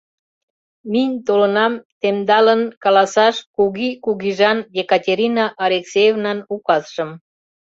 Минь толынам темдалын каласаш куги кугижан Екатерина Алексеевнан указшым.